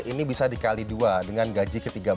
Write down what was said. ini bisa dikali dua dengan gaji ke tiga belas